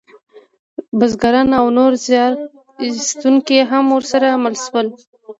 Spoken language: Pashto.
بزګران او نور زیار ایستونکي هم ورسره مل شول.